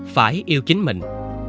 phải yêu chính mình